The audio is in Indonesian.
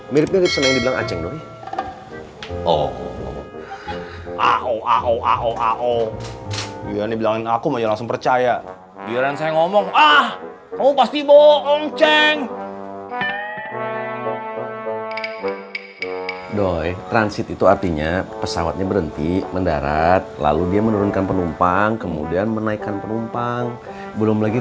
miripnya tipsen yang dibilang anjeng doi